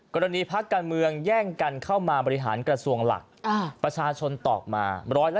กรณีพักการเมืองแย่งกันเข้ามาบริหารกระทรวงหลักประชาชนตอบมา๑๓